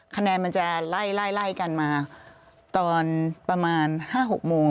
คะแนนมันจะไล่ไล่กันมาตอนประมาณ๕๖โมง